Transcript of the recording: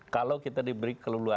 kalau kita diberi kelulusan